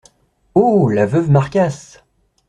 Oh ! la veuve Marcasse !…